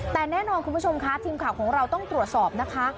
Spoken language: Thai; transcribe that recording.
แต่แน่นอนคุณผู้ชมค่ะทีมข่าวของเราต้องตรวจสอบนะคะ